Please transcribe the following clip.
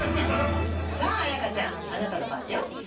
さぁ彩花ちゃんあなたの番よ。